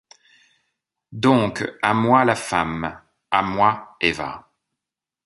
Doncques à moi la femme! à moy Eva !